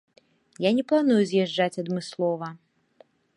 Я не планую з'язджаць адмыслова.